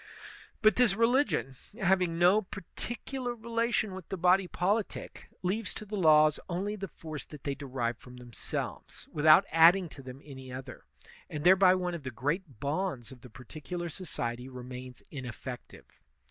But this religion, having no particular relation with the body politic, leaves to the laws only the force that they derive from themselves, without adding to them any other; and thereby one of the great bonds of the partic ular society remains ineflEective.